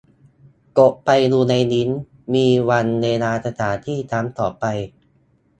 กดไปดูในลิงก์ มีวันเวลาสถานที่ครั้งต่อไป